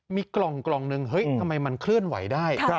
มีกล่องหนึ่งเฮ้ยทำไมมันเคลื่อนไหวได้